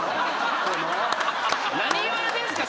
何言われてんすか！